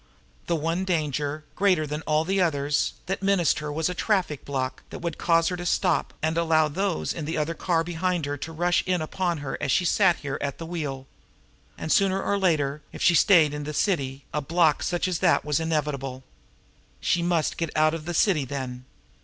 The one danger, greater than all others, that menaced her was a traffic block that would cause her to stop, and allow those in the other car behind to rush in upon her as she sat here at the wheel. And sooner or later, if she stayed in the city, a block such as that was inevitable. She must get out of the city, then.